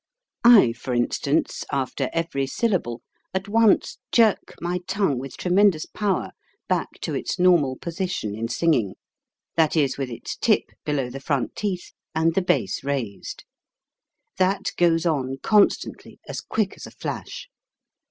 I, for instance, after every syllable, at once jerk my tongue with tremendous power back to its normal position in singing; that is, with its tip below the front teeth and the base raised ^\. That goes on constantly, as quick as a flash.